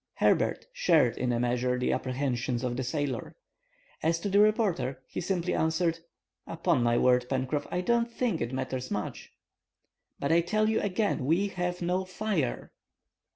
Herbert shared in a measure the apprehensions of the sailor. As to the reporter, he simply answered:— "Upon my word, Pencroff, I don't think it matters much!" "But I tell you again; we have no fire!"